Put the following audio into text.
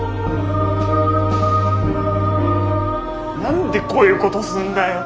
何でこういうことすんだよ。